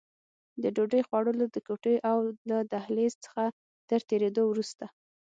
د ډوډۍ خوړلو د کوټې او له دهلېز څخه تر تېرېدو وروسته.